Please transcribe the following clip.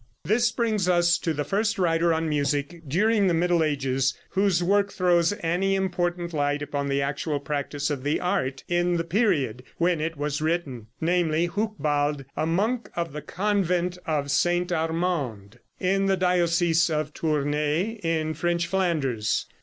This brings us to the first writer on music, during the Middle Ages, whose work throws any important light upon the actual practice of the art in the period when it was written, namely, Hucbald, a monk of the convent of St. Armand, in the diocese of Tournay, in French Flanders.